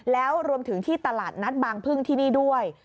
แล้วรวมถึงที่ตลาดนัดบางพึ่งที่นี่ด้วย